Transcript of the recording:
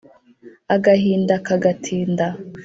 Agahinda kagatinda